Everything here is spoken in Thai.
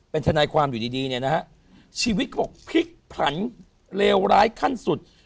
เป็นทนายความอยู่ดีดีเนี่ยนะฮะชีวิตเขาบอกพลิกผลันเลวร้ายขั้นสุด